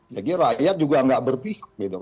jadi rakyat juga gak berpihak gitu